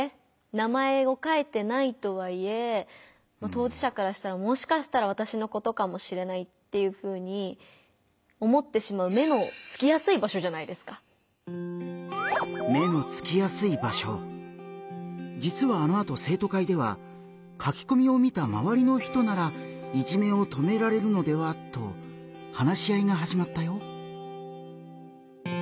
名前を書いてないとはいえ当事者からしたらもしかしたらわたしのことかもしれないっていうふうに思ってしまうじつはあのあと生徒会では「書きこみを見た周りの人ならいじめを止められるのでは」と話し合いがはじまったよ。